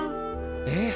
ええ。